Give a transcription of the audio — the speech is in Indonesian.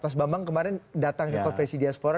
pas bambang kemarin datang ke konvensi diaspora